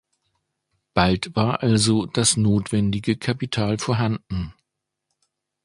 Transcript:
Bald war also das notwendige Kapital vorhanden.